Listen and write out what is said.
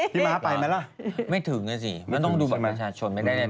พี่ม้าไปไหมละไม่ถึงนะสิไม่ต้องดูบันกรณชาชนไม่ได้เลย